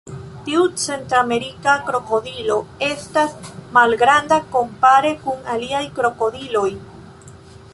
Tiu centramerika krokodilo estas malgranda kompare kun aliaj krokodiloj.